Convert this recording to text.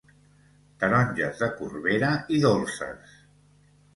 Taronges de Corbera i dolces!